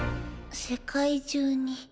世界中に。